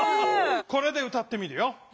これで歌ってみるよ。